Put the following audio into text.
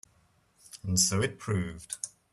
And so it proved.